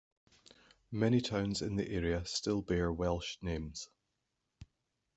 Many towns in the area still bear Welsh names.